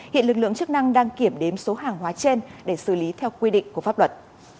hiện lực lượng chức năng đang kiểm đếm số hàng hóa trên để xử lý theo quy định của pháp luật